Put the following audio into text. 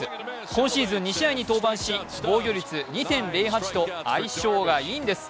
今シーズン２試合に登板し防御率２０．８と相性がいいんです。